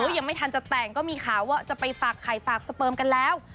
ยังไม่ทันจะแต่งก็มีข่าวว่าจะไปฝากไข่ฝากสเปิมกันแล้ว